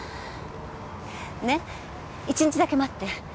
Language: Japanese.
ねっ１日だけ待って。